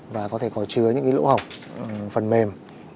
và có thể có chứa những lỗ hỏng phần mềm